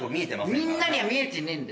みんなには見えてねえんだ。